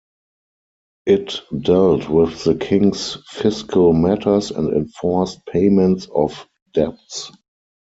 It dealt with the king's fiscal matters and enforced payments of debts.